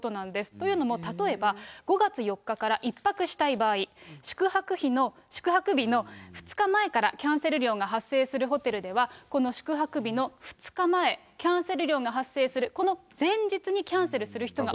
というのも、例えば、５月４日から１泊したい場合、宿泊日の２日前からキャンセル料が発生するホテルでは、この宿泊日の２日前、キャンセル料が発生するこの前日にキャンセルする人が多い。